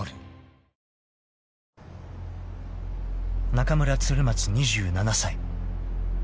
［中村鶴松２７歳］